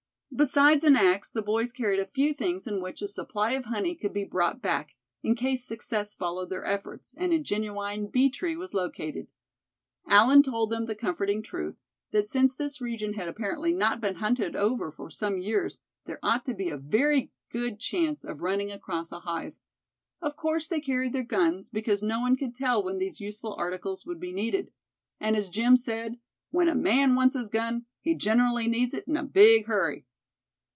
Besides an axe, the boys carried a few things in which a supply of honey could be brought back, in case success followed their efforts, and a genuine bee tree was located. Allan told them the comforting truth, that since this region had apparently not been hunted over for some years, there ought to be a very good chance of running across a hive. Of course they carried their guns, because no one could tell when these useful articles would be needed. And as Jim said, "when a man wants his gun, he gen'rally needs it in a big hurry."